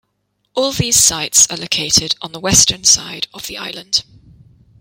All these sites are located on the western side of the island.